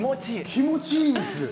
気持ちいいです。